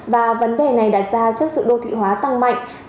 và vấn đề này đặt ra trước sự đô thị hóa tăng mạnh